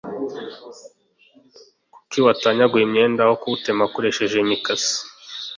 kuki watanyaguye umwenda aho kuwutema ukoresheje imikasi